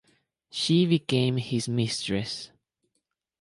She became his mistress.